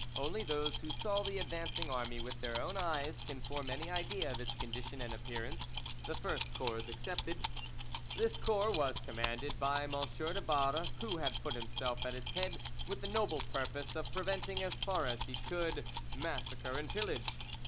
Only those who saw the advancing army with their own eyes can form any idea of its condition and appearance, the first corps excepted. This corps was commanded by M. de Barre, who had put himself at its head with the noble purpose of preventing, as far as he could, massacre and pillage.